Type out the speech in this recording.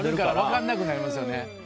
分かんなくなりますよね。